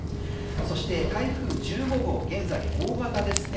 そして台風１５号現在、大型ですね。